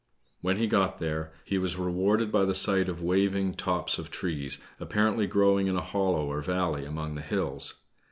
When he got there he was re no BLACK SNEID. warded by the sight of waving tops of trees, appar ently growing in a hollow or valley among the hills.